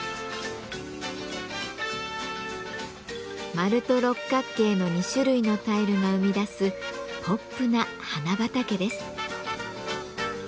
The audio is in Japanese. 丸と六角形の２種類のタイルが生み出すポップな花畑です。